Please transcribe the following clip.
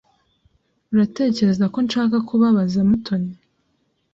Uratekereza ko nshaka kubabaza Mutoni?